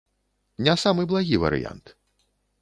Не самы благі варыянт.